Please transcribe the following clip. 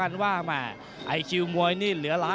สวัสดีครับ